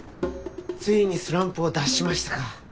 ついにスランプを脱しましたか。